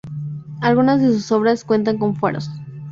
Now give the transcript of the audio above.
Algunas de sus obras cuentan con faros.